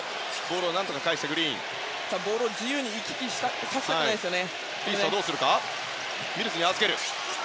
ボールを自由に行き来させたくないですね。